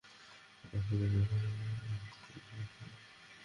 নেপালে ভারতীয় টিভি চ্যানেলের সম্প্রচার বন্ধ করতে তাদের ওপর চাপ আসছিল।